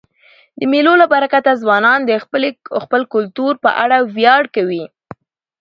د مېلو له برکته ځوانان د خپل کلتور په اړه ویاړ کوي.